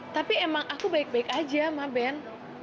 tapi emang aku baik baik aja sama ben